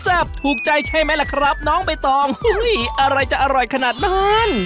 ถูกใจใช่ไหมล่ะครับน้องใบตองอะไรจะอร่อยขนาดนั้น